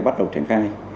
bắt đầu triển khai